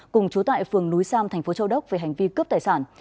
cùng chú tại phường núi sam tp châu đốc về hành vi cướp tài sản